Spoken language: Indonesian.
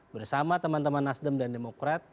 bersama teman teman nasdem dan demokrat